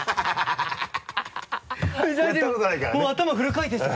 もう頭フル回転して。